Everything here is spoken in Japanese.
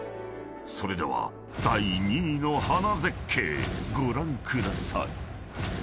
［それでは第２位の花絶景ご覧ください］